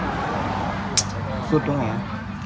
ผมพูดการพิสุทธิ์นะครับ